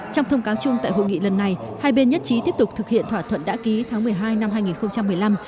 trong thông cáo chung tại hội nghị lần này hai bên nhất trí tiếp tục thực hiện thỏa thuận đã ký tháng một mươi hai năm hai nghìn một mươi năm